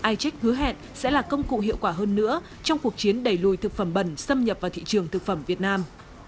icheck hứa hẹn sẽ là công cụ hiệu quả hơn nữa trong cuộc chiến đẩy lùi thực phẩm bẩn xâm nhập vào thị trường thực phẩm việt nam